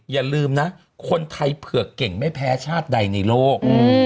อย่าลืมนะคนไทยเผือกเก่งไม่แพ้ชาติใดในโลก